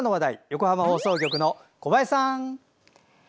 横浜放送局の小林さん。